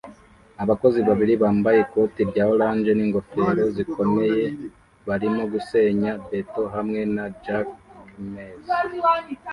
Abakozi babiri bambaye ikoti rya orange n'ingofero zikomeye barimo gusenya beto hamwe na jackhammers